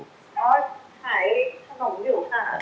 ก็ขายขนมอยู่ค่ะ